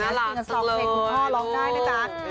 น่ารักสักเลยและสิ่งที่สองเพลงคุณพ่อร้องได้นะจ๊ะ